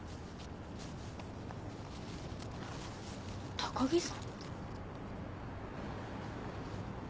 高木さん？